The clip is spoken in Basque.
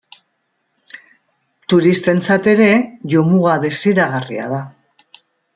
Turistentzat ere jomuga desiragarria da.